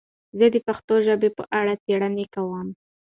زه د پښتو ژبې په اړه څېړنه کوم.